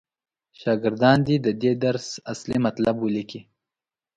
شاګردان دې د دې درس اصلي مطلب ولیکي.